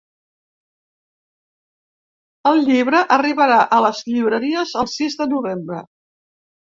El llibre arribarà a les llibreries el sis de novembre.